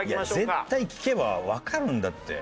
絶対聞けばわかるんだって。